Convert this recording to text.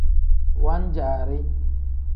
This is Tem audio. Wan-jaari.